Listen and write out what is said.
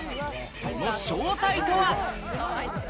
その正体とは？